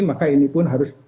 maka ini pun harus